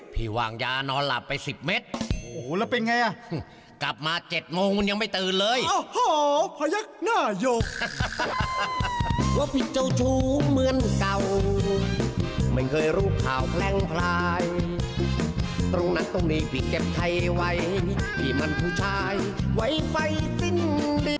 เพลงพลายตรงนั้นตรงนี้พี่เก็บไทยไว้พี่มันผู้ชายไว้ไฟสิ้นดี